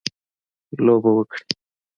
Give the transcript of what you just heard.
لوبه وکړي.